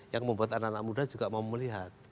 yang membuat anak anak muda juga mau melihat